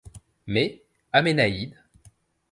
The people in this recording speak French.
Mais Aménaïde.